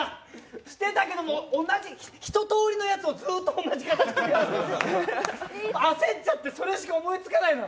してたけども、一とおりのやつをずっと同じ形焦っちゃって、それしか思いつかないの。